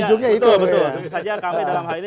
ujungnya itu betul tentu saja kami dalam hal ini